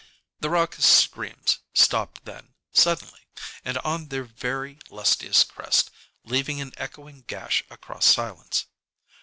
The raucous screams stopped then, suddenly, and on their very lustiest crest, leaving an echoing gash across silence.